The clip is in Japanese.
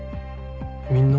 みんな？